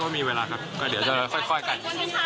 เดี๋ยวพาใครเดี๋ยวพาใคร